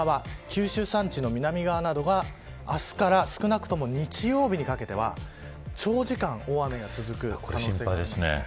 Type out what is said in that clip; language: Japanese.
九州山地の南側などが明日から少なくとも日曜日にかけては長時間、大雨が続く可能性があります。